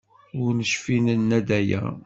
Ur necfi nenna-d aya.